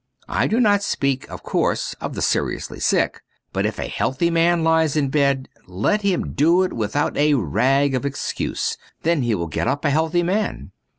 I do not speak, of course, of the seriously sick. But if a healthy man lies in bed, let him do it without a rag of excuse ; then he will get up a healthy man.